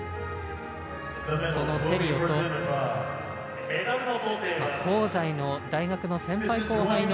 そのセリオと香西の大学の先輩・後輩の